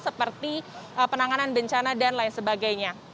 seperti penanganan bencana dan lain sebagainya